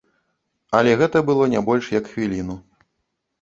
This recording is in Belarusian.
Але гэта было не больш як хвіліну.